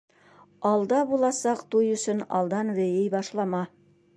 Алда буласаҡ туй өсөн алдан бейей башлама.